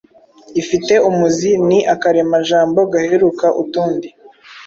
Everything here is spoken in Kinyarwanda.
ifite umuzi –Ni akaremajambo gaheruka utundi.